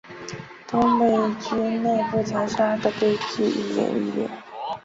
东北军内部残杀的悲剧愈演愈烈。